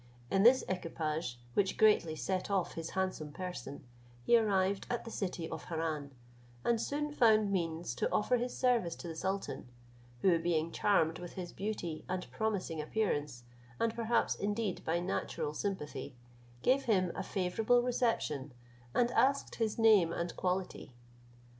In this equipage, which greatly set off his handsome person, he arrived at the city of Harran, and soon found means to offer his service to the sultan; who being charmed with his beauty and promising appearance, and perhaps indeed by natural sympathy, gave him a favourable reception, and asked his name and quality.